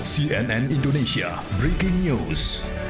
cnn indonesia breaking news